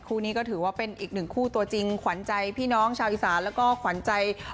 คู่นี้ก็ถือว่าเป็นอีกหนึ่งคู่ตัวจริงขวัญใจพี่น้องชาวอีสานแล้วก็ขวัญใจ